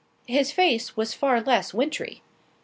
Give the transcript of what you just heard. His face was far less wintry.